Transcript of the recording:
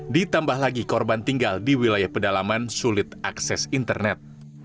ditambah lagi korban tinggal di wilayah pedalaman sulit akses internet